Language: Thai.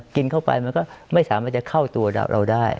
กินเข้าไปมันก็ไม่สามารถจะเข้าตัวเราได้